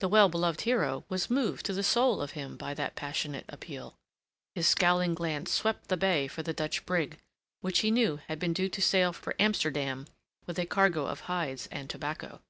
The well beloved hero was moved to the soul of him by that passionate appeal. His scowling glance swept the bay for the Dutch brig, which he knew had been due to sail for Amsterdam with a cargo of hides and tobacco.